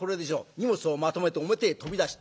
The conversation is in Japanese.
荷物をまとめて表へ飛び出した。